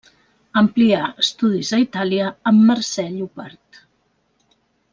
Amplià estudis a Itàlia amb Mercè Llopart.